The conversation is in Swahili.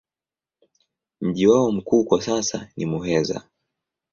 Mji wao mkuu kwa sasa ni Muheza.